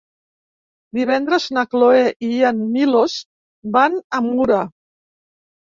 Divendres na Cloè i en Milos van a Mura.